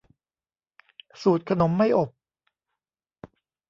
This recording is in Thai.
สูตรขนมไม่อบ